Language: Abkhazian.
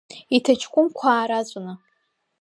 Иҭаҷкәымқәа аараҵәаны.